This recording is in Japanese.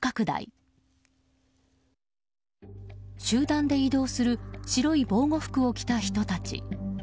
集団で移動する白い防護服を着た人たち。